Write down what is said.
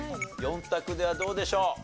４択ではどうでしょう？